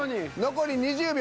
残り２０秒。